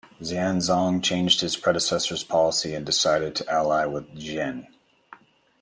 Xianzong changed his predecessor's policy and decided to ally with Jin.